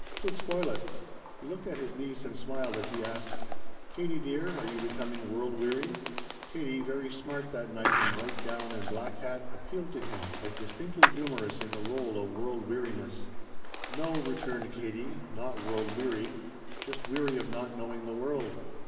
"'Twould spoil it." He looked at his niece and smiled as he asked: "Katie dear, are you becoming world weary?" Katie, very smart that night in white gown and black hat, appealed to him as distinctly humorous in the role of world weariness. "No," returned Katie, "not world weary; just weary of not knowing the world."